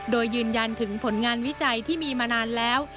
โดยยืนยันถึงผลงานวิจัยที่มีมานานแล้ว